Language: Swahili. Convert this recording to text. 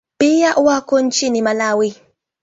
Pia wako nchini Malawi.